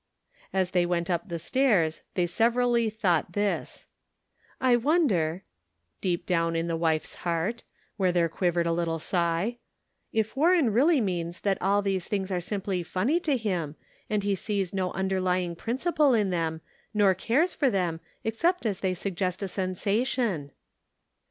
As they went up the stairs they severally thought this :" I wonder," deep down in the wife's heart, where there quivered a little sigh, " if Warren really means that all these things are simply funny to him, and he sees no underlying principle in them, nor cares for them, except as they suggest a sensation